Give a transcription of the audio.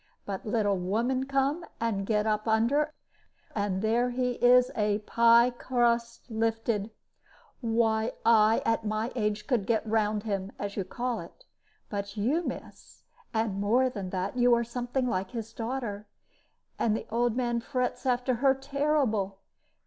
But let a woman come, and get up under, and there he is a pie crust lifted. Why, I, at my age, could get round him, as you call it. But you, miss and more than that, you are something like his daughter; and the old man frets after her terrible.